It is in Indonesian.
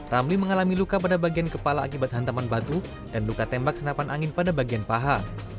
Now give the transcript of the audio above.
ramli mengalami luka pada bagian kepala akibat hantaman batu dan luka tembak senapan angin pada bagian paha